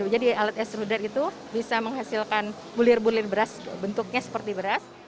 jadi alat ekstrusi itu bisa menghasilkan bulir bulir beras